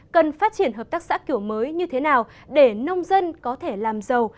cần phát triển hợp tác xã kiểu mới như thế nào để nông dân có thể làm giàu